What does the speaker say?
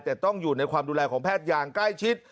แต่ต้องอยู่ในความดูแลของแพทย์อย่างใกล้ชิด